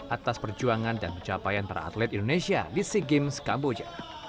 atas perjuangan dan pencapaian para atlet indonesia di sea games kamboja